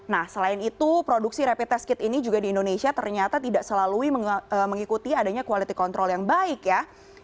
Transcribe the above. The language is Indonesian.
nah selain itu produksi rapid test kit ini juga di indonesia ternyata tidak selalu mengikuti adanya quality control yang baik ya